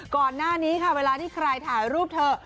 ก่อนหน้านี้ค่ะเวลาที่ใครถ่ายรูปเธอ